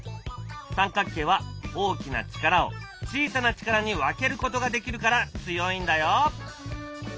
三角形は大きな力を小さな力に分けることができるから強いんだよ！